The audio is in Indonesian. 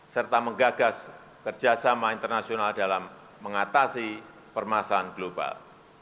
serta menggagas kerjasama internasional dalam mengatasi permasalahan global